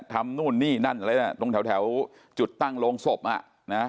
นู่นนี่นั่นอะไรน่ะตรงแถวจุดตั้งโรงศพอ่ะนะ